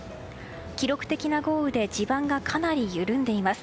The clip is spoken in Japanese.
記録的な豪雨で地盤がかなり緩んでいます。